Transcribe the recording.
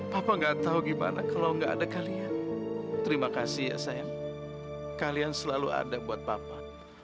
papa gak tau gimana kalau nggak ada kalian terima kasih sayang kalian selalu ada buat papa